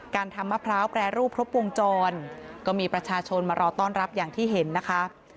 ทำมะพร้าวแปรรูปครบวงจรก็มีประชาชนมารอต้อนรับอย่างที่เห็นนะคะ